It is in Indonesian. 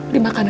bu mas al